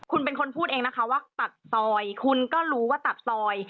คุณเป็นคนพูดเองนะคะว่าตัดซอยคุณก็รู้ว่าตัดซอย